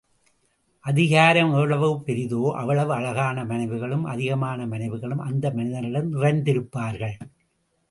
அதிகாரம் எவ்வளவு பெரிதோ, அவ்வளவு அழகான மனைவிகளும் அதிகமான மனைவிகளும் அந்த மனிதனிடம் நிறைந்திருப்பார்கள்!